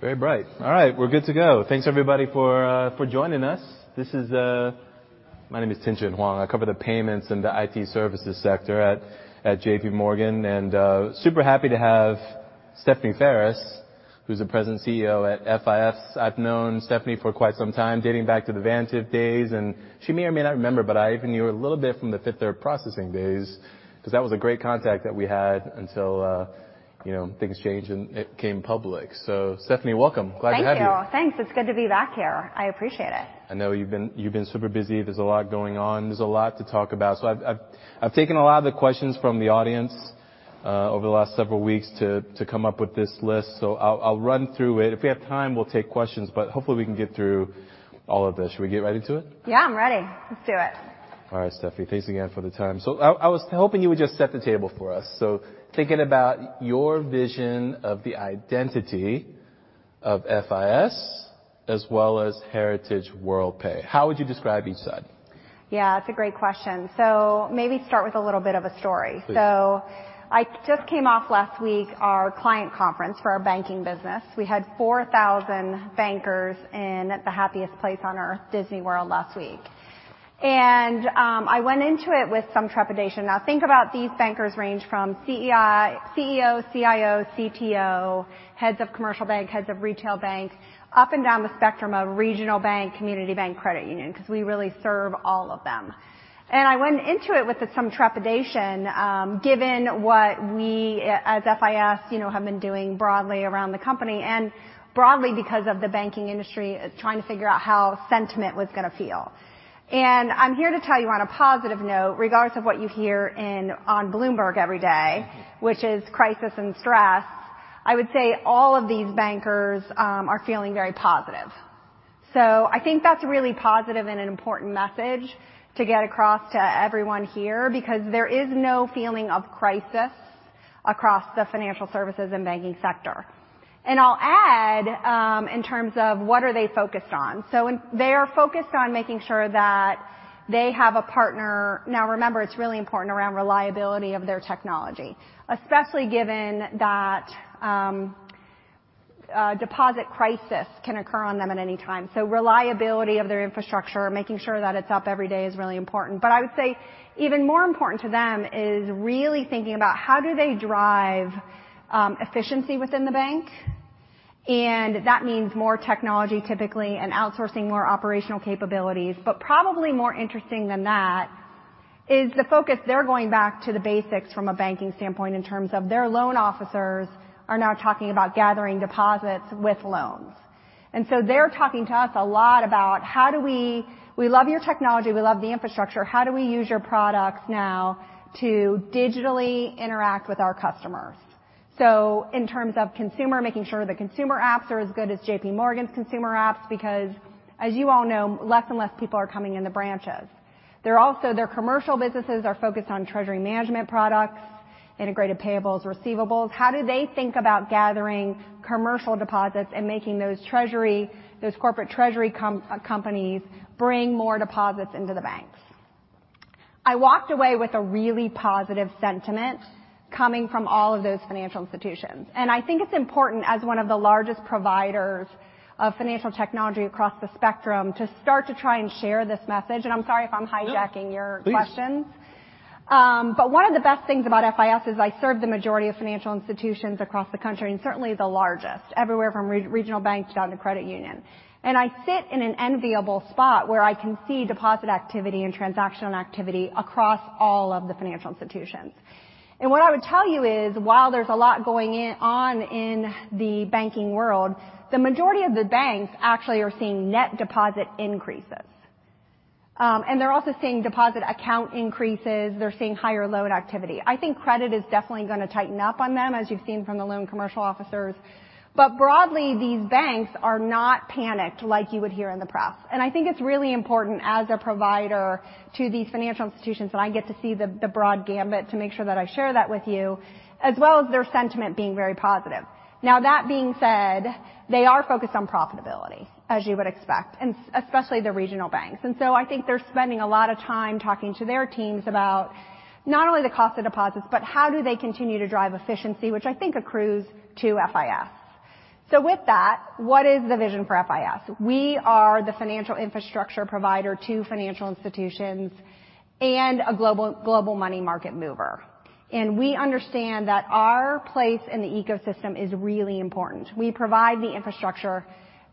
Very bright. All right, we're good to go. Thanks, everybody, for joining us. This is. My name is Tien-Tsin Huang. I cover the payments and the IT services sector at JPMorgan. Super happy to have Stephanie Ferris, who's the Present CEO at FIS. I've known Stephanie for quite some time, dating back to the Vantiv days, and she may or may not remember, but I even knew her a little bit from the Fifth Third Processing days, because that was a great contact that we had until, you know, things changed and it came public. Stephanie, welcome. Glad to have you. Thank you. Thanks. It's good to be back here. I appreciate it. I know you've been super busy. There's a lot going on. There's a lot to talk about. I've taken a lot of the questions from the audience over the last several weeks to come up with this list. I'll run through it. If we have time, we'll take questions. Hopefully we can get through all of this. Should we get right into it? Yeah. I'm ready. Let's do it. All right, Stephanie. Thanks again for the time. I was hoping you would just set the table for us. Thinking about your vision of the identity of FIS as well as heritage Worldpay, how would you describe each side? Yeah, it's a great question. Maybe start with a little bit of a story. Please. I just came off last week, our client conference for our banking business. We had 4,000 bankers in the Happiest Place on Earth, Disney World last week. I went into it with some trepidation. Now, think about these bankers range from CEO, CIO, CTO, heads of commercial bank, heads of retail banks, up and down the spectrum of regional bank, community bank, credit union, because we really serve all of them. I went into it with some trepidation, given what we as FIS, you know, have been doing broadly around the company and broadly because of the banking industry, trying to figure out how sentiment was gonna feel. I'm here to tell you on a positive note, regardless of what you hear on Bloomberg every day, which is crisis and stress, I would say all of these bankers are feeling very positive. I think that's really positive and an important message to get across to everyone here because there is no feeling of crisis across the financial services and banking sector. I'll add, in terms of what are they focused on. They are focused on making sure that they have a partner. Now remember, it's really important around reliability of their technology, especially given that a deposit crisis can occur on them at any time. Reliability of their infrastructure, making sure that it's up every day is really important. I would say even more important to them is really thinking about how do they drive efficiency within the bank. That means more technology typically and outsourcing more operational capabilities. Probably more interesting than that is the focus. They're going back to the basics from a banking standpoint in terms of their loan officers are now talking about gathering deposits with loans. They're talking to us a lot about, "We love your technology, we love the infrastructure. How do we use your products now to digitally interact with our customers?" In terms of consumer, making sure the consumer apps are as good as JPMorgan's consumer apps because as you all know, less and less people are coming in the branches. Their commercial businesses are focused on Treasury Management products, Integrated Payables, Receivables. How do they think about gathering commercial deposits and making those treasury, those corporate treasury companies bring more deposits into the banks? I walked away with a really positive sentiment coming from all of those financial institutions. I think it's important as one of the largest providers of financial technology across the spectrum to start to try and share this message. I'm sorry if I'm hijacking your questions. Please. One of the best things about FIS is I serve the majority of financial institutions across the country, and certainly the largest, everywhere from regional banks down to credit union. I sit in an enviable spot where I can see deposit activity and transactional activity across all of the financial institutions. What I would tell you is, while there's a lot going on in the banking world, the majority of the banks actually are seeing net deposit increases. They're also seeing deposit account increases. They're seeing higher loan activity. I think credit is definitely gonna tighten up on them, as you've seen from the loan commercial officers. Broadly, these banks are not panicked like you would hear in the press. I think it's really important as a provider to these financial institutions, that I get to see the broad gamut to make sure that I share that with you, as well as their sentiment being very positive. Now that being said, they are focused on profitability, as you would expect, especially the regional banks. I think they're spending a lot of time talking to their teams about not only the cost of deposits, but how do they continue to drive efficiency, which I think accrues to FIS. With that, what is the vision for FIS? We are the financial infrastructure provider to financial institutions and a global money market mover. We understand that our place in the ecosystem is really important. We provide the infrastructure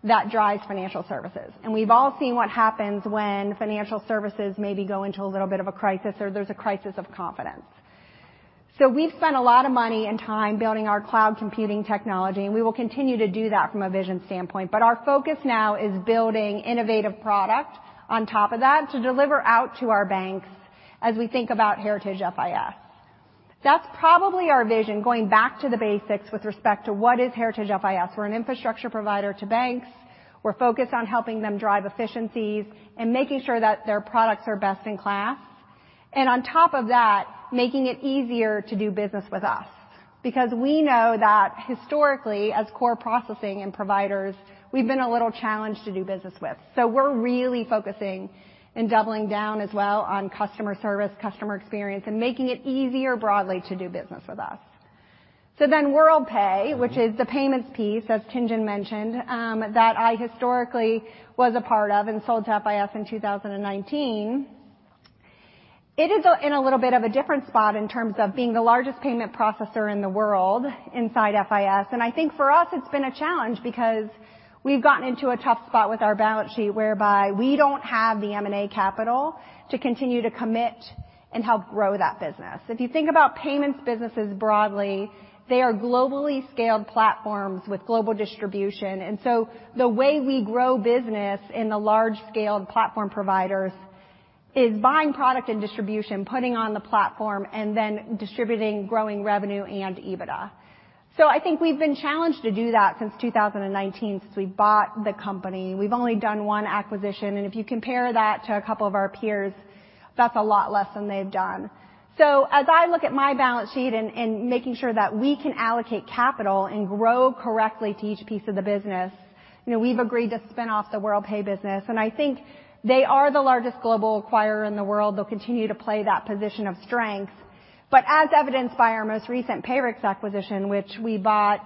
that drives financial services. We've all seen what happens when financial services maybe go into a little bit of a crisis or there's a crisis of confidence. We've spent a lot of money and time building our cloud computing technology, and we will continue to do that from a vision standpoint. Our focus now is building innovative product on top of that to deliver out to our banks as we think about heritage FIS. That's probably our vision, going back to the basics with respect to what is heritage FIS. We're an infrastructure provider to banks. We're focused on helping them drive efficiencies and making sure that their products are best in class. On top of that, making it easier to do business with us because we know that historically, as core processing and providers, we've been a little challenged to do business with. We're really focusing and doubling down as well on customer service, customer experience, and making it easier broadly to do business with us. Worldpay, which is the payments piece, as Tien-Tsin Huang mentioned, that I historically was a part of and sold to FIS in 2019. It is in a little bit of a different spot in terms of being the largest payment processor in the world inside FIS. I think for us it's been a challenge because we've gotten into a tough spot with our balance sheet whereby we don't have the M&A capital to continue to commit and help grow that business. If you think about payments businesses broadly, they are globally scaled platforms with global distribution. The way we grow business in the large scale of platform providers is buying product and distribution, putting on the platform and then distributing growing revenue and EBITDA. I think we've been challenged to do that since 2019 since we bought the company. We've only done one acquisition, and if you compare that to a couple of our peers, that's a lot less than they've done. As I look at my balance sheet and making sure that we can allocate capital and grow correctly to each piece of the business, you know, we've agreed to spin off the Worldpay business, and I think they are the largest global acquirer in the world. They'll continue to play that position of strength. As evidenced by our most recent Payrix acquisition, which we bought,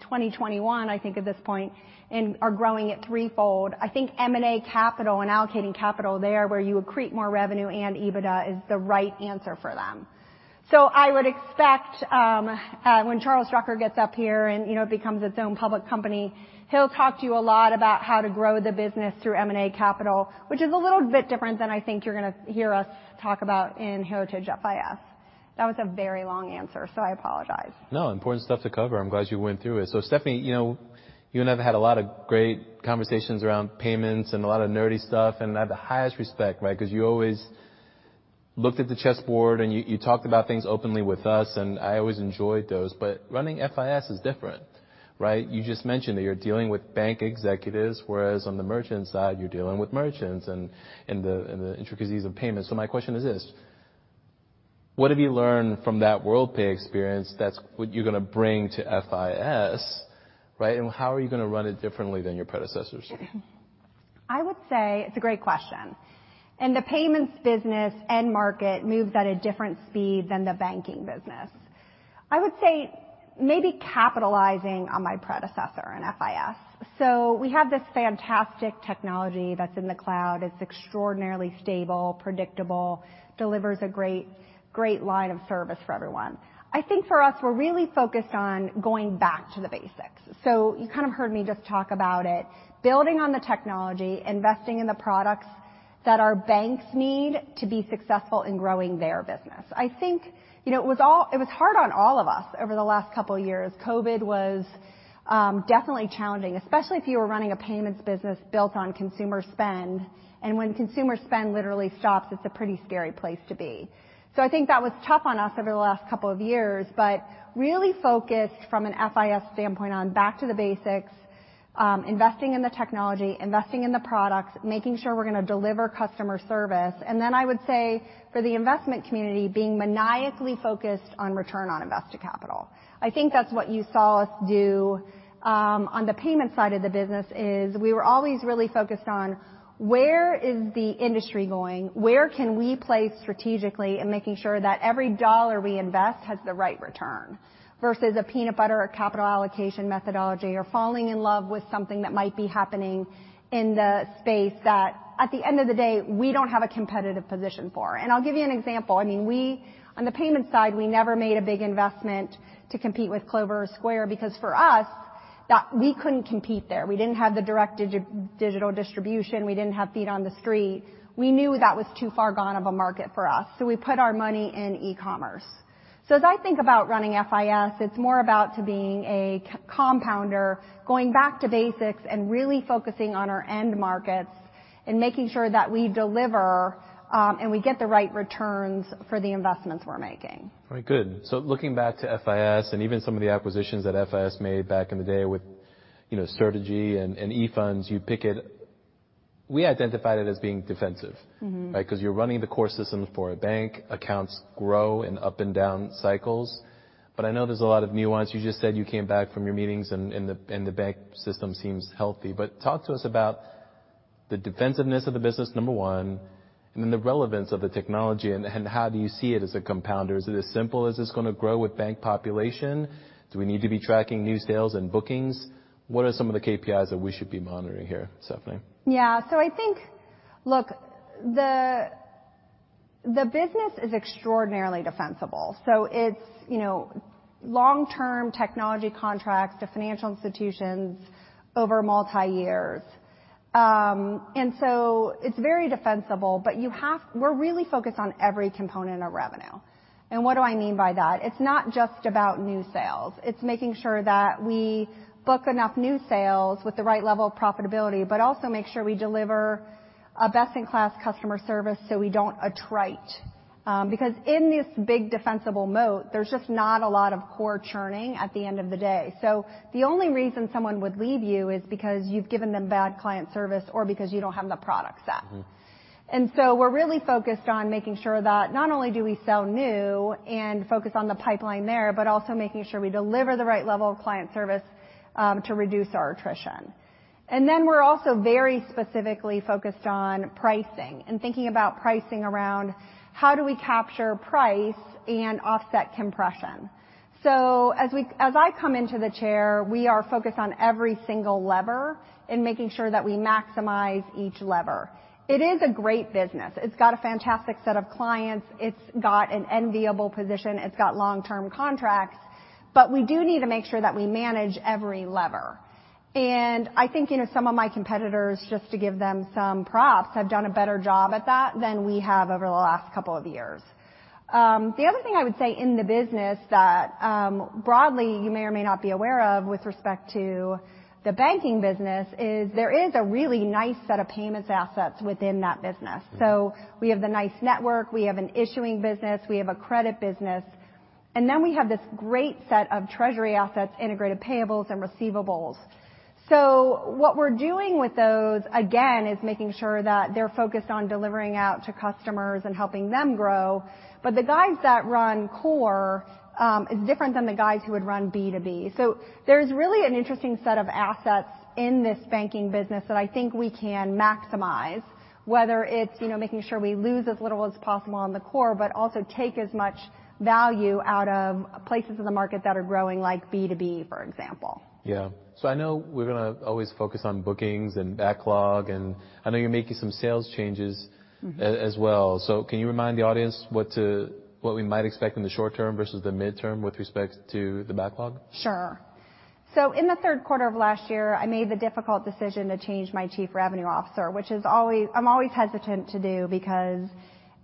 2021, I think at this point, and are growing at three fold. I think M&A capital and allocating capital there where you accrete more revenue and EBITDA is the right answer for them. I would expect, when Charles Drucker gets up here and, you know, becomes its own public company, he'll talk to you a lot about how to grow the business through M&A capital, which is a little bit different than I think you're gonna hear us talk about in heritage FIS. That was a very long answer, I apologize. No. Important stuff to cover. I'm glad you went through it. Stephanie, you know, you and I have had a lot of great conversations around payments and a lot of nerdy stuff. I have the highest respect, right? Because you always looked at the chessboard and you talked about things openly with us, and I always enjoyed those. Running FIS is different, right? You just mentioned that you're dealing with bank executives, whereas on the merchant side you're dealing with merchants and the, and the intricacies of payments. My question is this, what have you learned from that Worldpay experience that's what you're gonna bring to FIS, right? How are you gonna run it differently than your predecessors? I would say it's a great question. The payments business end market moves at a different speed than the banking business. I would say maybe capitalizing on my predecessor in FIS. We have this fantastic technology that's in the cloud. It's extraordinarily stable, predictable, delivers a great line of service for everyone. I think for us, we're really focused on going back to the basics. You kind of heard me just talk about it, building on the technology, investing in the products that our banks need to be successful in growing their business. I think, you know, it was hard on all of us over the last couple of years. COVID was definitely challenging, especially if you were running a payments business built on consumer spend. When consumer spend literally stops, it's a pretty scary place to be. I think that was tough on us over the last couple of years. Really focused from an FIS standpoint on back to the basics, investing in the technology, investing in the products, making sure we're going to deliver customer service. I would say for the investment community, being maniacally focused on return on invested capital. I think that's what you saw us do on the payment side of the business, is we were always really focused on where is the industry going? Where can we play strategically in making sure that every dollar we invest has the right return versus a peanut butter capital allocation methodology or falling in love with something that might be happening in the space that at the end of the day, we don't have a competitive position for. I'll give you an example. I mean, we, on the payment side, we never made a big investment to compete with Clover or Square because for us that we couldn't compete there. We didn't have the direct digital distribution. We didn't have feet on the street. We knew that was too far gone of a market for us, we put our money in ecommerce. As I think about running FIS, it's more about to being a c-compounder, going back to basics and really focusing on our end markets and making sure that we deliver, and we get the right returns for the investments we're making. All right. Good. Looking back to FIS and even some of the acquisitions that FIS made back in the day with, you know, strategy and eFunds, you pick it. We identified it as being defensive. Mm-hmm. Right? 'Cause you're running the core systems for a bank. Accounts grow in up and down cycles. I know there's a lot of nuance. You just said you came back from your meetings and the, and the bank system seems healthy. Talk to us about the defensiveness of the business, number one, and then the relevance of the technology and how do you see it as a compounder? Is it as simple as it's gonna grow with bank population? Do we need to be tracking new sales and bookings? What are some of the KPIs that we should be monitoring here, Stephanie? The business is extraordinarily defensible. It's, you know, long-term technology contracts to financial institutions over multi-years. It's very defensible, we're really focused on every component of revenue. What do I mean by that? It's not just about new sales. It's making sure that we book enough new sales with the right level of profitability, but also make sure we deliver a best-in-class customer service so we don't attrite. Because in this big defensible moat, there's just not a lot of core churning at the end of the day. The only reason someone would leave you is because you've given them bad client service or because you don't have the product set. Mm-hmm. We're really focused on making sure that not only do we sell new and focus on the pipeline there, but also making sure we deliver the right level of client service to reduce our attrition. We're also very specifically focused on pricing and thinking about pricing around how do we capture price and offset compression. As I come into the chair, we are focused on every single lever and making sure that we maximize each lever. It is a great business. It's got a fantastic set of clients. It's got an enviable position. It's got long-term contracts. We do need to make sure that we manage every lever. I think, you know, some of my competitors, just to give them some props, have done a better job at that than we have over the last couple of years. The other thing I would say in the business that, broadly, you may or may not be aware of with respect to the banking business is there is a really nice set of payments assets within that business. We have the NYCE network, we have an issuing business, we have a credit business, and then we have this great set of treasury assets, Integrated Payables and Receivables. What we're doing with those, again, is making sure that they're focused on delivering out to customers and helping them grow. The guys that run core, is different than the guys who would run B2B. There's really an interesting set of assets in this banking business that I think we can maximize, whether it's, you know, making sure we lose as little as possible on the core, but also take as much value out of places in the market that are growing, like B2B, for example. Yeah. I know we're gonna always focus on bookings and backlog, and I know you're making some sales changes. Mm-hmm. as well. Can you remind the audience what we might expect in the short term versus the midterm with respect to the backlog? Sure. In the third quarter of last year, I made the difficult decision to change my Chief Revenue Officer, which I'm always hesitant to do, because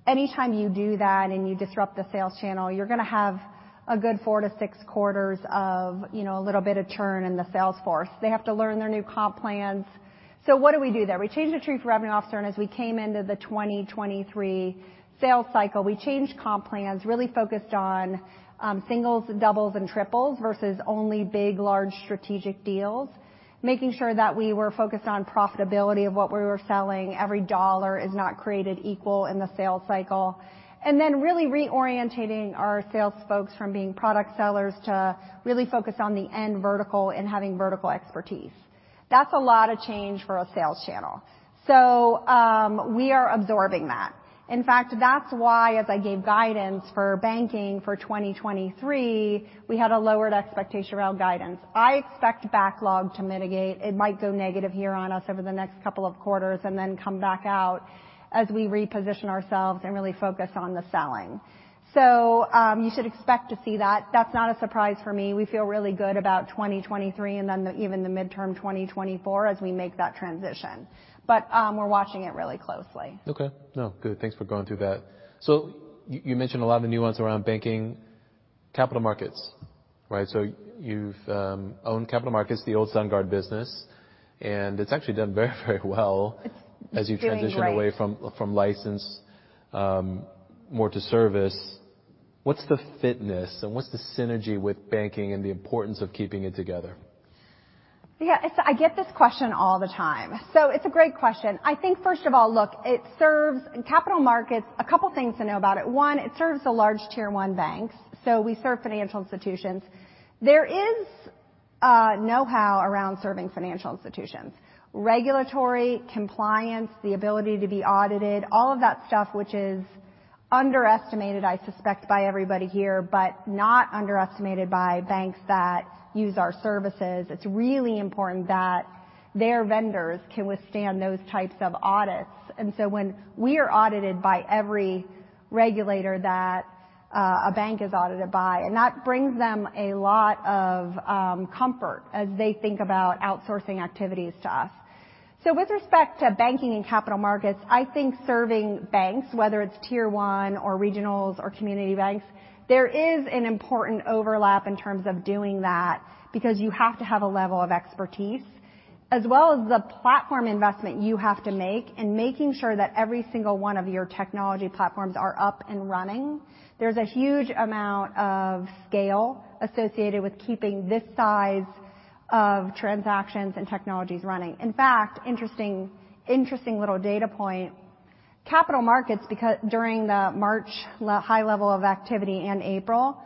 anytime you do that and you disrupt the sales channel, you're going to have a good four to six quarters of, you know, a little bit of churn in the sales force. They have to learn their new comp plans. What do we do there? We changed the chief revenue officer, and as we came into the 2023 sales cycle, we changed comp plans, really focused on singles and doubles and triples versus only big, large strategic deals, making sure that we were focused on profitability of what we were selling. Every dollar is not created equal in the sales cycle. Really reorientating our sales folks from being product sellers to really focus on the end vertical and having vertical expertise. That's a lot of change for a sales channel. We are absorbing that. In fact, that's why, as I gave guidance for banking for 2023, we had a lowered expectation around guidance. I expect backlog to mitigate. It might go negative here on us over the next couple of quarters and then come back out as we reposition ourselves and really focus on the selling. You should expect to see that. That's not a surprise for me. We feel really good about 2023 and then even the midterm 2024 as we make that transition. We're watching it really closely. Okay. No. Good. Thanks for going through that. You mentioned a lot of the nuance around banking capital markets, right? You've owned capital markets, the old SunGard business, and it's actually done very, very well- It's doing great. as you transition away from license, more to service. What's the fitness and what's the synergy with banking and the importance of keeping it together? Yeah, it's I get this question all the time, so it's a great question. I think, first of all, look, it serves capital markets, a couple things to know about it. One, it serves the large tier one banks. We serve financial institutions. There is know-how around serving financial institutions. Regulatory compliance, the ability to be audited, all of that stuff, which is underestimated, I suspect, by everybody here, but not underestimated by banks that use our services. It's really important that their vendors can withstand those types of audits. When we are audited by every regulator that a bank is audited by, and that brings them a lot of comfort as they think about outsourcing activities to us. With respect to banking and capital markets, I think serving banks, whether it's tier one or regionals or community banks, there is an important overlap in terms of doing that because you have to have a level of expertise as well as the platform investment you have to make in making sure that every single one of your technology platforms are up and running. There's a huge amount of scale associated with keeping this size of transactions and technologies running. In fact, interesting little data point. Capital markets, during the March high level of activity in April,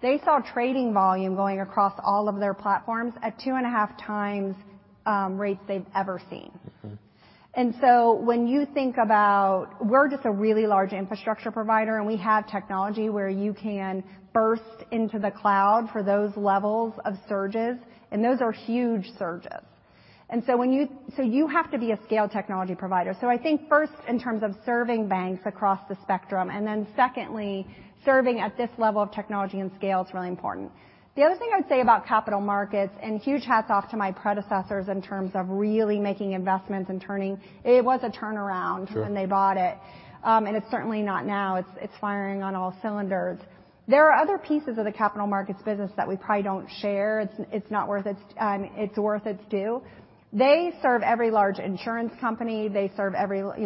they saw trading volume going across all of their platforms at 2.5x rates they've ever seen. Mm-hmm. When you think about we're just a really large infrastructure provider, and we have technology where you can burst into the cloud for those levels of surges, and those are huge surges. You have to be a scale technology provider. I think first in terms of serving banks across the spectrum, and then secondly, serving at this level of technology and scale is really important. The other thing I'd say about capital markets, and huge hats off to my predecessors in terms of really making investments and turning, it was a turnaround... Sure. when they bought it. It's certainly not now. It's firing on all cylinders. There are other pieces of the capital markets business that we probably don't share. It's worth its due. They serve every you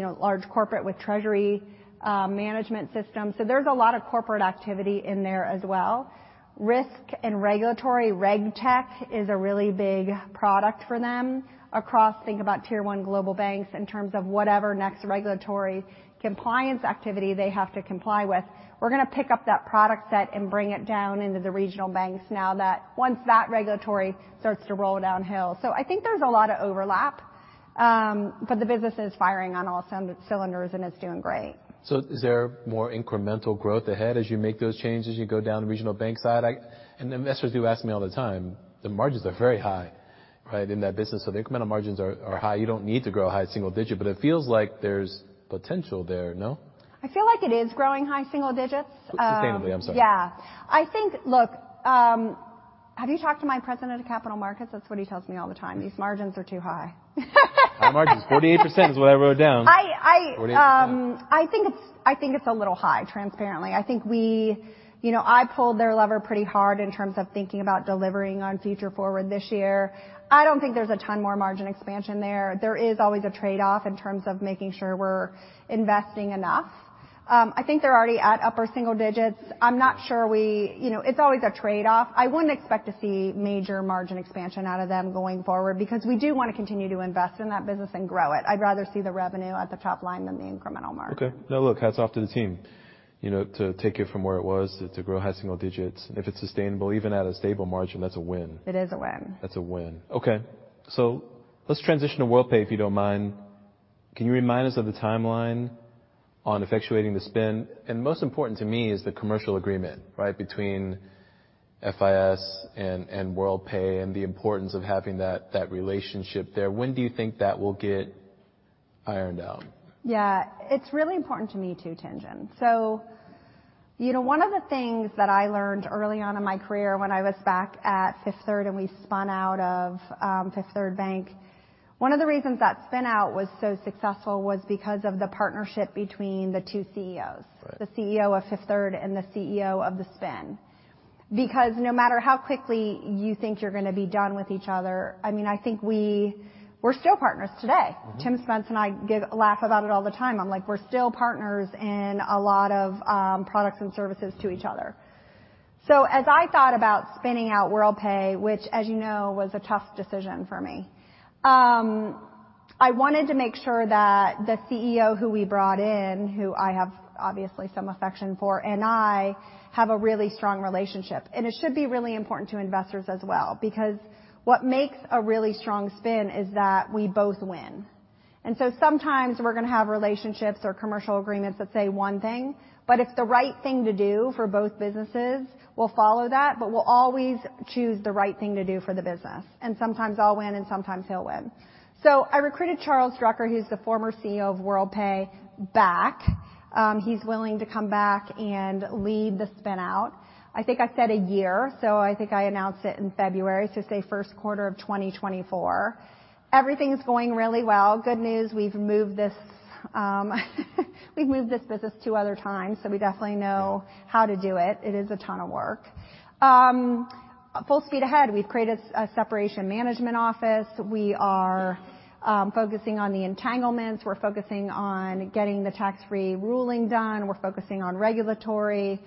know, large corporate with treasury management systems. There's a lot of corporate activity in there as well. Risk and regulatory, RegTech is a really big product for them across, think about tier one global banks in terms of whatever next regulatory compliance activity they have to comply with. We're gonna pick up that product set and bring it down into the regional banks now that once that regulatory starts to roll downhill. I think there's a lot of overlap. The business is firing on all cylinders, and it's doing great. Is there more incremental growth ahead as you make those changes, you go down the regional bank side? Investors do ask me all the time, the margins are very high, right, in that business, so the incremental margins are high. You don't need to grow high single digit, but it feels like there's potential there, no? I feel like it is growing high single digits. Sustainably, I'm sorry. Yeah. I think... Look, have you talked to my President of Capital Markets? That's what he tells me all the time. These margins are too high. High margins. 48% is what I wrote down. I 48%. I think it's, I think it's a little high, transparently. I think we... You know, I pulled their lever pretty hard in terms of thinking about delivering on Future Forward this year. I don't think there's a ton more margin expansion there. There is always a trade-off in terms of making sure we're investing enough. I think they're already at upper single digits. I'm not sure we... You know, it's always a trade-off. I wouldn't expect to see major margin expansion out of them going forward because we do wanna continue to invest in that business and grow it. I'd rather see the revenue at the top line than the incremental margin. Okay. Now look, hats off to the team, you know, to take it from where it was to grow high single digits. If it's sustainable, even at a stable margin, that's a win. It is a win. That's a win. Let's transition to Worldpay, if you don't mind. Can you remind us of the timeline on effectuating the spin? Most important to me is the commercial agreement, right, between FIS and Worldpay and the importance of having that relationship there. When do you think that will get ironed out? Yeah. It's really important to me too, Tien-Tsin. You know, one of the things that I learned early on in my career when I was back at Fifth Third and we spun out of Fifth Third Bank, one of the reasons that spin-out was so successful was because of the partnership between the two CEOs. Right. The CEO of Fifth Third and the CEO of the spin. No matter how quickly you think you're gonna be done with each other, I mean, I think we're still partners today. Mm-hmm. Tim Spence and I laugh about it all the time. I'm like, "We're still partners in a lot of products and services to each other." As I thought about spinning out Worldpay, which, as you know, was a tough decision for me, I wanted to make sure that the CEO who we brought in, who I have obviously some affection for, and I have a really strong relationship. It should be really important to investors as well because what makes a really strong spin is that we both win. Sometimes we're gonna have relationships or commercial agreements that say one thing, but if the right thing to do for both businesses will follow that, but we'll always choose the right thing to do for the business. Sometimes I'll win, and sometimes he'll win. I recruited Charles Drucker, who's the former CEO of Worldpay, back. He's willing to come back and lead the spin-out. I think I said a year, so I think I announced it in February, so say first quarter of 2024. Everything's going really well. Good news, we've moved this business two other times, so we definitely know how to do it. It is a ton of work. Full speed ahead. We've created a separation management office. We are focusing on the entanglements. We're focusing on getting the tax-free ruling done. We're focusing on regulatory.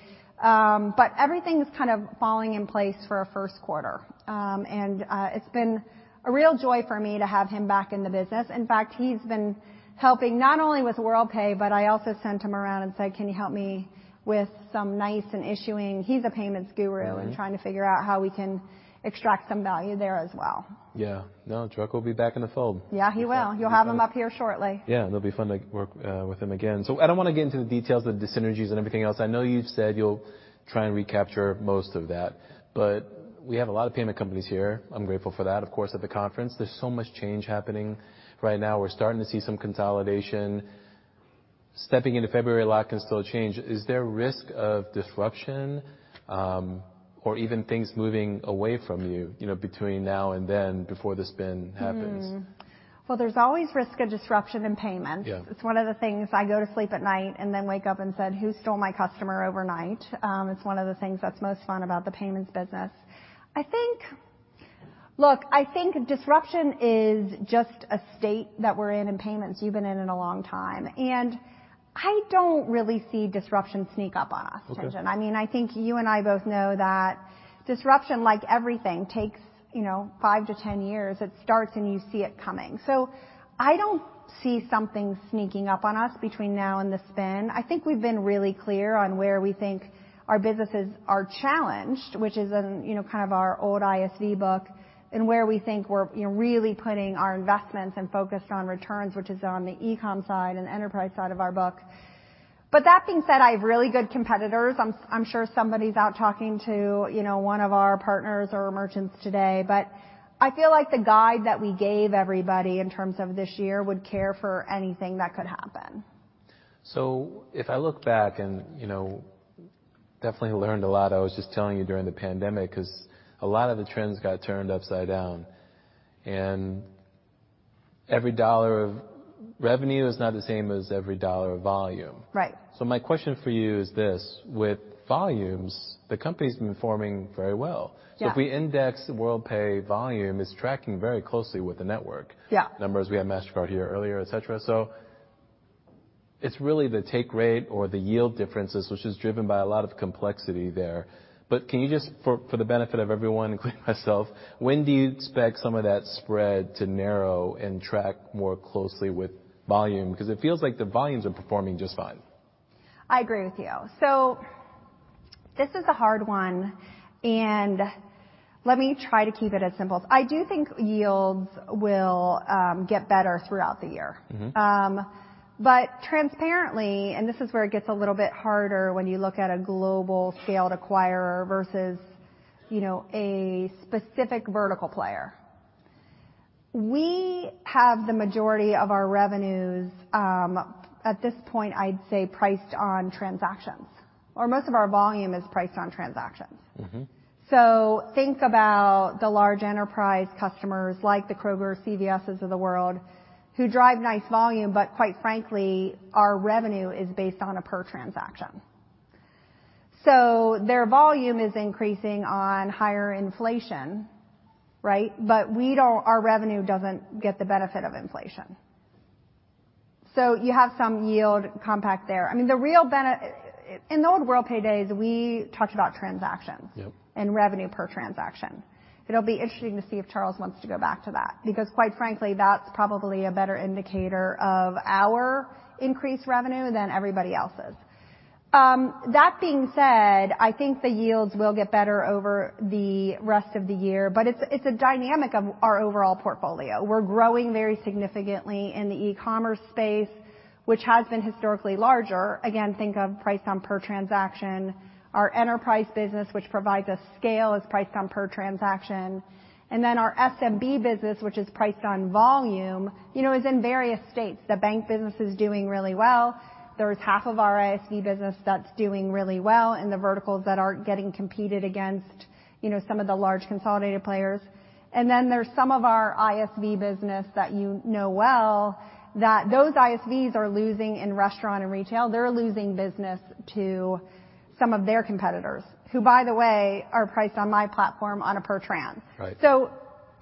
Everything's kind of falling in place for our first quarter. It's been a real joy for me to have him back in the business. In fact, he's been helping not only with Worldpay, but I also sent him around and said, "Can you help me with some NYCE and issuing?" He's a payments guru. Mm-hmm. Trying to figure out how we can extract some value there as well. Yeah. No, Chuck will be back in the fold. Yeah, he will. You'll have him up here shortly. Yeah, it'll be fun to work with him again. I don't wanna get into the details of the synergies and everything else. I know you've said you'll try and recapture most of that. We have a lot of payment companies here. I'm grateful for that, of course, at the conference. There's so much change happening right now. We're starting to see some consolidation. Stepping into February, a lot can still change. Is there risk of disruption, or even things moving away from you know, between now and then before the spin happens? Well, there's always risk of disruption in payments. Yeah. It's one of the things I go to sleep at night and then wake up and said, "Who stole my customer overnight?" It's one of the things that's most fun about the payments business. Look, I think disruption is just a state that we're in in payments. You've been in it a long time. I don't really see disruption sneak up on us, Tien-Tsin. Okay. I mean, I think you and I both know that disruption, like everything, takes, you know, 5-10 years. It starts, and you see it coming. I don't see something sneaking up on us between now and the spin. I think we've been really clear on where we think our businesses are challenged, which is in, you know, kind of our old ISV book, and where we think we're, you know, really putting our investments and focused on returns, which is on the eCom side and enterprise side of our book. That being said, I have really good competitors. I'm sure somebody's out talking to, you know, one of our partners or merchants today, but I feel like the guide that we gave everybody in terms of this year would care for anything that could happen. If I look back and, you know, definitely learned a lot, I was just telling you during the pandemic, because a lot of the trends got turned upside down, and every dollar of revenue is not the same as every dollar of volume. Right. My question for you is this. With volumes, the company's been forming very well. Yeah. If we index Worldpay volume, it's tracking very closely with the network- Yeah. -numbers. We had Mastercard here earlier, et cetera. It's really the take rate or the yield differences which is driven by a lot of complexity there. Can you just, for the benefit of everyone, including myself, when do you expect some of that spread to narrow and track more closely with volume? Because it feels like the volumes are performing just fine. I agree with you. This is a hard one, and let me try to keep it as simple. I do think yields will get better throughout the year. Mm-hmm. Transparently, and this is where it gets a little bit harder when you look at a global scaled acquirer versus, you know, a specific vertical player. We have the majority of our revenues, at this point, I'd say priced on transactions, or most of our volume is priced on transactions. Mm-hmm. Think about the large enterprise customers like the Kroger, CVSs of the world who drive nice volume, but quite frankly, our revenue is based on a per transaction. Their volume is increasing on higher inflation, right? But our revenue doesn't get the benefit of inflation. You have some yield compact there. I mean, the real In the old Worldpay days, we talked about transactions... Yep. revenue per transaction. It'll be interesting to see if Charles wants to go back to that because quite frankly, that's probably a better indicator of our increased revenue than everybody else's. That being said, I think the yields will get better over the rest of the year, but it's a dynamic of our overall portfolio. We're growing very significantly in the ecommerce space, which has been historically larger. Again, think of price on per transaction. Our enterprise business, which provides us scale, is priced on per transaction. Our SMB business, which is priced on volume, you know, is in various states. The bank business is doing really well. There's half of our ISV business that's doing really well in the verticals that aren't getting competed against, you know, some of the large consolidated players. There's some of our ISV business that you know well, that those ISVs are losing in restaurant and retail. They're losing business to some of their competitors, who by the way, are priced on my platform on a per tran. Right.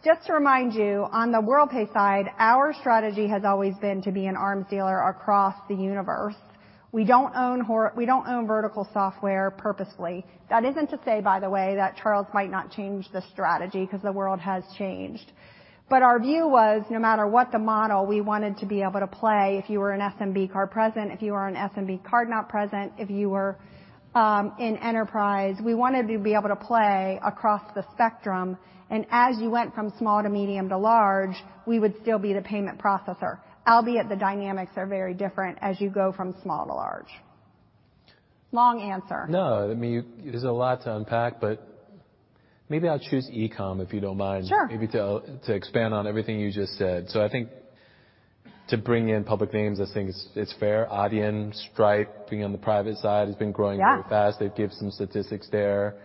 Just to remind you, on the Worldpay side, our strategy has always been to be an arms dealer across the universe. We don't own vertical software purposely. That isn't to say, by the way, that Charles might not change the strategy because the world has changed. Our view was, no matter what the model, we wanted to be able to play. If you were an SMB card present, if you were an SMB card not present, if you were in enterprise, we wanted to be able to play across the spectrum, and as you went from small to medium to large, we would still be the payment processor, albeit the dynamics are very different as you go from small to large. Long answer. No. I mean, there's a lot to unpack, but maybe I'll choose eCom, if you don't mind. Sure. Maybe to expand on everything you just said. I think to bring in public names, I think it's fair. Adyen, Stripe being on the private side has been growing really fast. Yeah. They give some statistics there.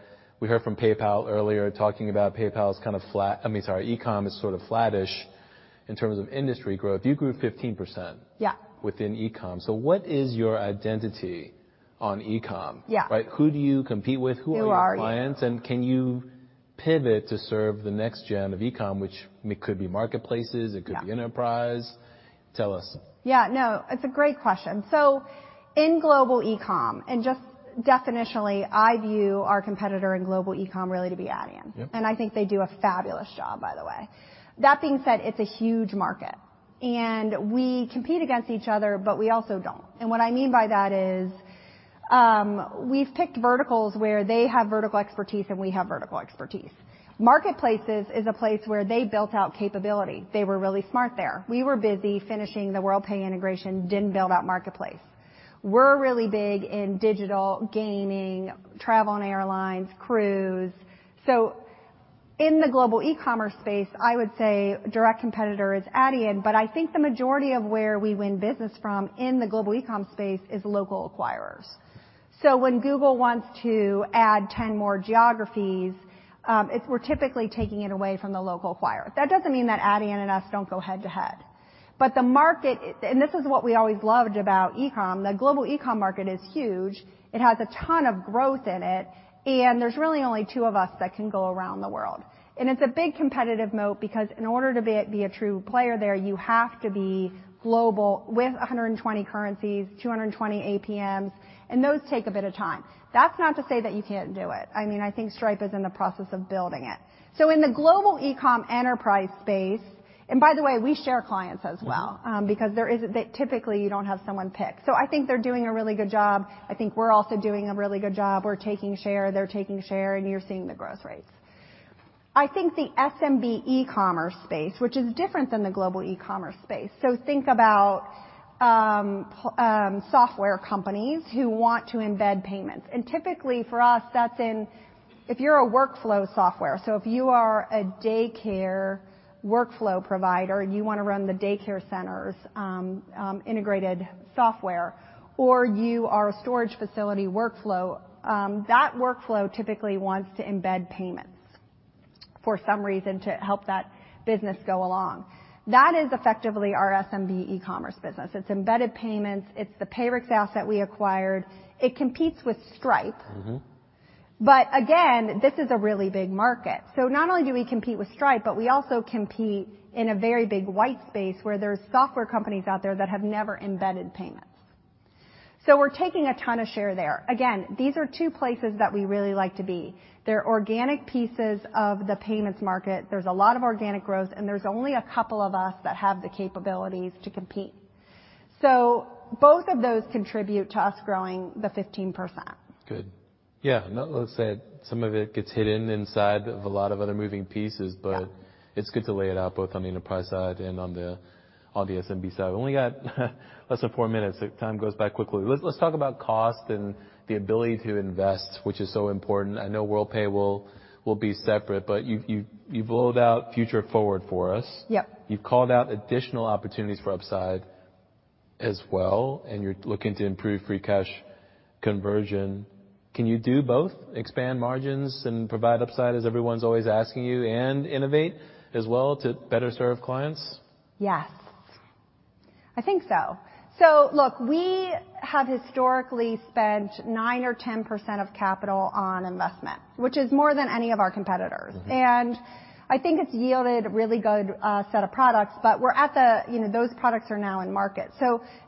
We heard from PayPal earlier talking about PayPal's kind of, I mean, sorry, eCom is sort of flattish in terms of industry growth. You grew 15%. Yeah. -within eCom. what is your identity on eCom? Yeah. Right? Who do you compete with? Who are you? Who are your clients, and can you pivot to serve the next gen of eCom, which could be marketplaces- Yeah. it could be enterprise. Tell us. Yeah, no, it's a great question. In global eCom, and just definitionally, I view our competitor in global eCom really to be Adyen. Yep. I think they do a fabulous job, by the way. That being said, it's a huge market, and we compete against each other, but we also don't. What I mean by that is, we've picked verticals where they have vertical expertise and we have vertical expertise. Marketplaces is a place where they built out capability. They were really smart there. We were busy finishing the Worldpay integration, didn't build out marketplace. We're really big in digital, gaming, travel and airlines, cruise. In the global ecommerce space, I would say direct competitor is Adyen, but I think the majority of where we win business from in the global eCom space is local acquirers. When Google wants to add 10 more geographies, we're typically taking it away from the local acquirer. That doesn't mean that Adyen and us don't go head-to-head. The market, and this is what we always loved about eCom, the global eCom market is huge. It has a ton of growth in it, and there's really only two of us that can go around the world. It's a big competitive moat because in order to be a true player there, you have to be global with 120 currencies, 220 APMs, and those take a bit of time. That's not to say that you can't do it. I mean, I think Stripe is in the process of building it. In the global eCom enterprise space. By the way, we share clients as well because there isn't typically, you don't have someone pick. I think they're doing a really good job. I think we're also doing a really good job. We're taking share, they're taking share, and you're seeing the growth rates. I think the SMB ecommerce space, which is different than the global ecommerce space. Think about software companies who want to embed payments. Typically for us, that's in... If you're a workflow software, so if you are a daycare workflow provider, and you wanna run the daycare center's integrated software, or you are a storage facility workflow, that workflow typically wants to embed payments for some reason to help that business go along. That is effectively our SMB ecommerce business. It's embedded payments. It's the Payrix asset we acquired. It competes with Stripe. Mm-hmm. Again, this is a really big market. Not only do we compete with Stripe, but we also compete in a very big white space where there's software companies out there that have never embedded payments. We're taking a ton of share there. Again, these are two places that we really like to be. They're organic pieces of the payments market. There's a lot of organic growth, and there's only a couple of us that have the capabilities to compete. Both of those contribute to us growing the 15%. Good. Yeah. Let's say some of it gets hidden inside of a lot of other moving pieces. Yeah. It's good to lay it out both on the enterprise side and on the SMB side. We only got less than four minutes. The time goes by quickly. Let's talk about cost and the ability to invest, which is so important. I know Worldpay will be separate, but you've rolled out Future Forward for us. Yep. You've called out additional opportunities for upside as well, and you're looking to improve free cash conversion. Can you do both? Expand margins and provide upside as everyone's always asking you, and innovate as well to better serve clients? Yes. I think so. Look, we have historically spent 9% or 10% of capital on investment, which is more than any of our competitors. Mm-hmm. I think it's yielded a really good set of products. We're at the, you know, those products are now in market.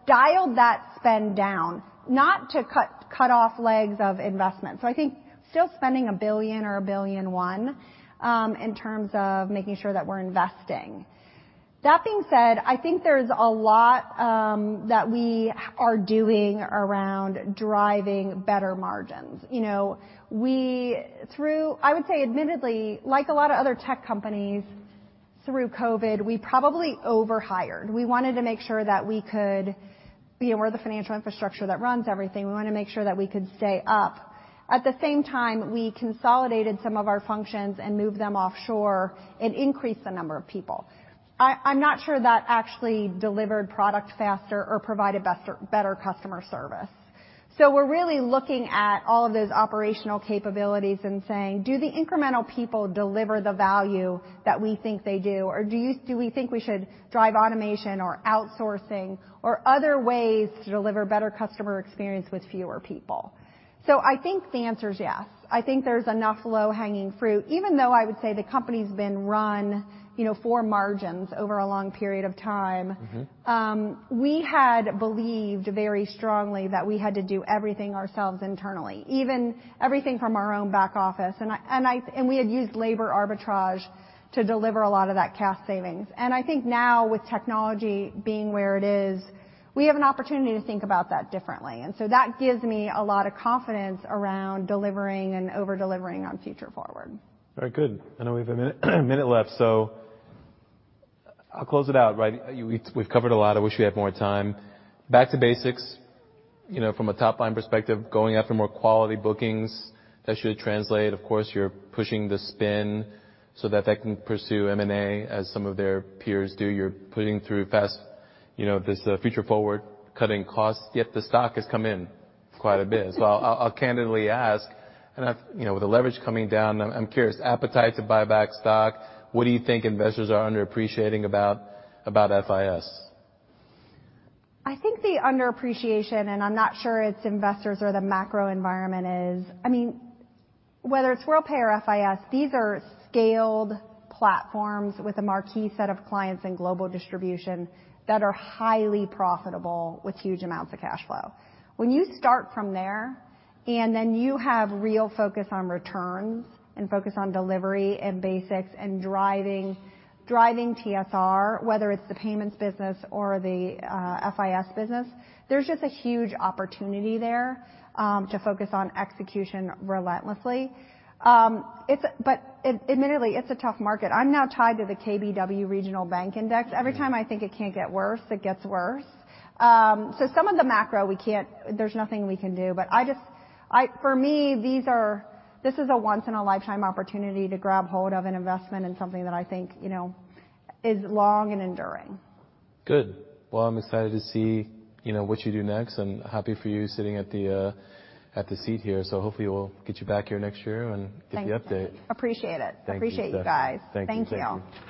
dial that spend down, not to cut off legs of investment. I think still spending $1 billion or $1.1 billion in terms of making sure that we're investing. That being said, I think there's a lot that we are doing around driving better margins. You know, we, through I would say admittedly, like a lot of other tech companies, through COVID, we probably overhired. We wanted to make sure that we could, you know, we're the financial infrastructure that runs everything. We wanna make sure that we could stay up. At the same time, we consolidated some of our functions and moved them offshore and increased the number of people. I'm not sure that actually delivered product faster or provided better customer service. We're really looking at all of those operational capabilities and saying, "Do the incremental people deliver the value that we think they do? Or do we think we should drive automation or outsourcing or other ways to deliver better customer experience with fewer people?" I think the answer is yes. I think there's enough low-hanging fruit. Even though I would say the company's been run, you know, for margins over a long period of time. Mm-hmm. We had believed very strongly that we had to do everything ourselves internally, even everything from our own back office. We had used labor arbitrage to deliver a lot of that cost savings. I think now with technology being where it is, we have an opportunity to think about that differently. That gives me a lot of confidence around delivering and over-delivering on Future Forward. Very good. I know we have a minute left, so I'll close it out, right. We've covered a lot. I wish we had more time. Back to basics, you know, from a top-line perspective, going after more quality bookings, that should translate. Of course, you're pushing the spin so that that can pursue M&A as some of their peers do. You're putting through fast, you know, this Future Forward, cutting costs, yet the stock has come in quite a bit. I'll candidly ask, and I've, you know, with the leverage coming down, I'm curious, appetite to buy back stock, what do you think investors are underappreciating about FIS? I think the underappreciation, I mean, whether it's Worldpay or FIS, these are scaled platforms with a marquee set of clients and global distribution that are highly profitable with huge amounts of cash flow. When you start from there, then you have real focus on returns and focus on delivery and basics and driving TSR, whether it's the payments business or the FIS business, there's just a huge opportunity there to focus on execution relentlessly. Admittedly, it's a tough market. I'm now tied to the KBW regional bank index. Every time I think it can't get worse, it gets worse. Some of the macro, there's nothing we can do. For me, this is a once in a lifetime opportunity to grab hold of an investment in something that I think, you know, is long and enduring. Good. Well, I'm excited to see, you know, what you do next, and happy for you sitting at the at the seat here. Hopefully we'll get you back here next year... Thanks. get the update. Appreciate it. Thank you. Appreciate you guys. Thank you. Thank you. Thank you.